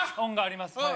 恩があります